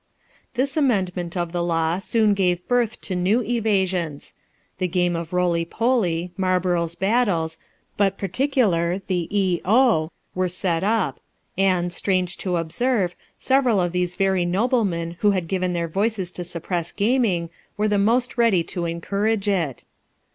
This amendment of the law soon gave birth to new evasions ; the game of Roily Polly, Marlborough's Battles, but particularly the E 0, were set up ; and, strange to observe ! several of those very noblemen who had given their voices to suppress gaming were the most ready to encourage it.